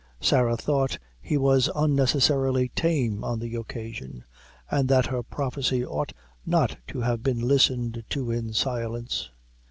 Sarah thought he was unnecessarily tame on the occasion, and that her prophecy ought not to have been listened to in silence.